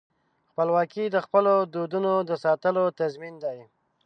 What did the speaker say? خپلواکي د خپلو دودونو د ساتلو تضمین دی.